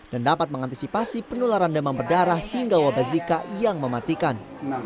dan dapat mengantisipasi penularan demam berdarah hingga wabazika yang mematikan